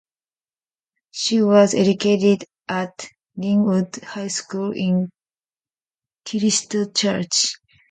She was educated at Linwood High School in Christchurch.